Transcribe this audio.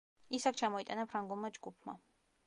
ის აქ ჩამოიტანა ფრანგულმა ჯგუფმა.